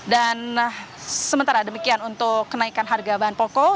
dan sementara demikian untuk kenaikan harga bahan pokok